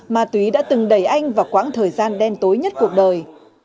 mà tùy đã từng đẩy anh vào quãng thời gian đen tối nhất cuộc đời